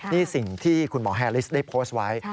นี่สิ่งที่คุณหมอแฮลิสได้โพสต์ไว้